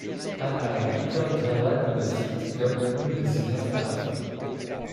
A Guy Called Gerald le cite comme une de ses inspirations.